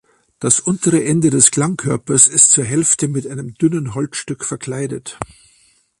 Das untere Ende des Klangkörpers ist zur Hälfte mit einem dünnen Holzstück verkleidet.